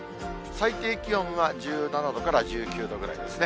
最低気温は１７度から１９度ぐらいですね。